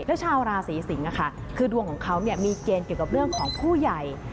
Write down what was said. แล้วชาวราศีสิงศ์คือดวงของเขามีเกณฑ์เกี่ยวกับเรื่องของผู้ใหญ่